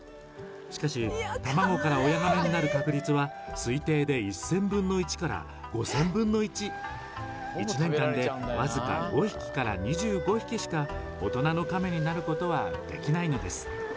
しかし卵から親ガメになる確率は推定で１０００分の１から５０００分１。１年間でわずか５匹から２５匹しか大人のカメになることはできないのです。